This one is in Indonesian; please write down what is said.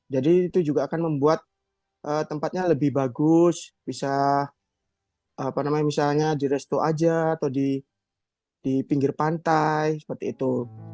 jadi itu juga akan membuat tempatnya lebih bagus bisa misalnya di resto aja atau di pinggir pantai seperti itu